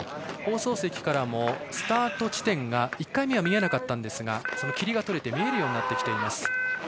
放送席からもスタート地点が１回目は見えなかったんですが霧がとれて見えるようになってきています。